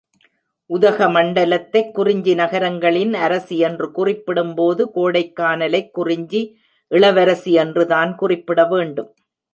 உதகமண்டலத்தைக் குறிஞ்சி நகரங்களின் அரசி என்று குறிப்பிடும்போது, கோடைக்கானலைக் குறிஞ்சி இளவரசி என்றுதான் குறிப்பிட வேண்டும்.